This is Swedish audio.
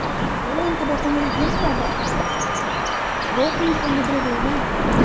Gå inte bakom ryggen på mig, skrek han, gå åtminstone bredvid mig.